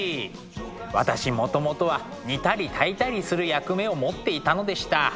私もともとは煮たり炊いたりする役目を持っていたのでした。